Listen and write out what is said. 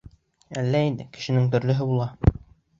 — Әллә инде, кешенең төрлөһө була.